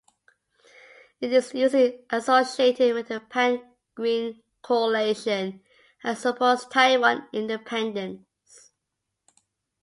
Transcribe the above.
It is usually associated with the Pan-Green Coalition and supports Taiwan independence.